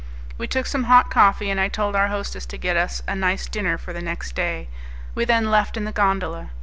We took some hot coffee, and I told our hostess to get us a nice dinner for the next day; we then left in the gondola.